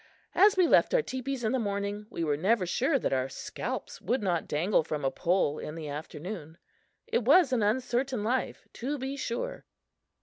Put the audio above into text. As we left our teepees in the morning, we were never sure that our scalps would not dangle from a pole in the afternoon! It was an uncertain life, to be sure.